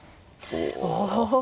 お。